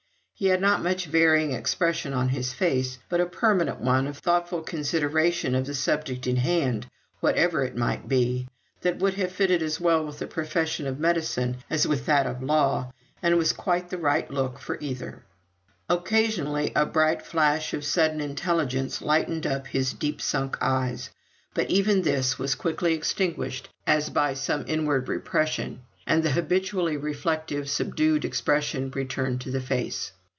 He had not much varying expression on his face, but a permanent one of thoughtful consideration of the subject in hand, whatever it might be, that would have fitted as well with the profession of medicine as with that of law, and was quite the right look for either. Occasionally a bright flash of sudden intelligence lightened up his deep sunk eyes, but even this was quickly extinguished as by some inward repression, and the habitually reflective, subdued expression returned to the face.